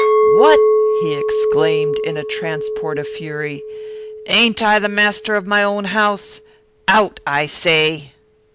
"What!" he exclaimed, in a transport of fury, "a'n't I master of my own house? Out, I say!"